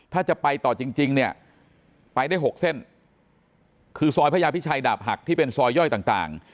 ถ้าจะไปต่อจริงเนี่ยไปได้๖เส้นคือซอยพระยาพิชัยดาบหักที่เป็นซอยย่อยต่าง